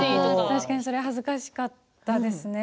確かにそれは恥ずかしかったですね。